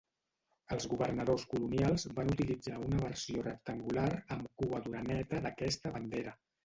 Els governadors colonials van utilitzar una versió rectangular amb cua d'oreneta d'aquesta bandera.